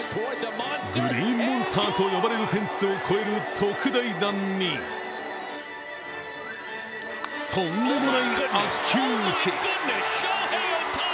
グリーンモンスターと呼ばれるフェンスを越える特大弾にとんでもない悪球打ち。